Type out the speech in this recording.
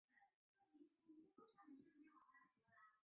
这些组织曾经成功地使美国公立学校停止教授进化论思想。